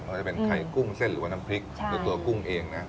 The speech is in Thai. ว่าจะเป็นไข่กุ้งเส้นหรือว่าน้ำพริกคือตัวกุ้งเองนะ